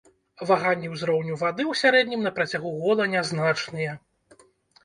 Ваганні ўзроўню вады ў сярэднім на працягу года нязначныя.